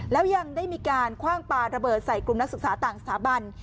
แล้วยังได้มีการคว่างปลาระเบิดใส่กลุ่มนักศึกษาต่างสถาบัน